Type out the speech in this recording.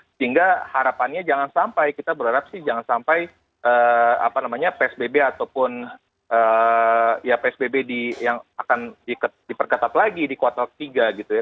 sehingga harapannya jangan sampai kita berharap sih jangan sampai psbb ataupun ya psbb yang akan diperketat lagi di kuartal ketiga gitu ya